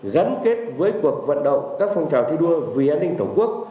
gắn kết với cuộc vận động các phong trào thi đua vì an ninh tổ quốc